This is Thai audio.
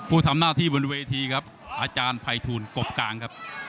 ผู้ทำหน้าที่บนเวทีครับอาจารย์ภัยทูลกบกลางครับ